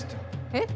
えっ！